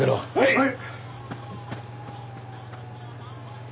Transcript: はい。